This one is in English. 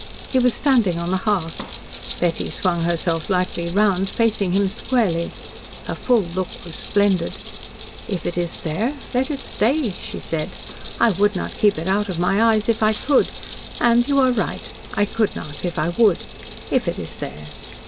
He was standing on the hearth. Betty swung herself lightly round, facing him squarely. Her full look was splendid. "If it is there let it stay," she said. "I would not keep it out of my eyes if I could, and, you are right, I could not if I would if it is there.